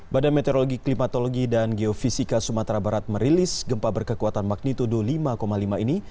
badan meteorologi klimatologi dan geofisika sumatera barat merilis gempa berkekuatan magnitudo lima lima ini